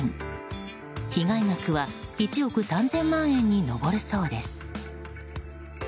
被害額は１憶３０００万円に上るそうです。